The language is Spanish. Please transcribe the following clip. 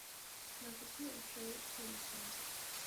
La fecha del "show" se desconoce.